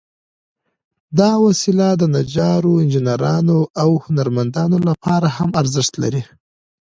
دا وسيله د نجارو، انجینرانو، او هنرمندانو لپاره هم ارزښت لري.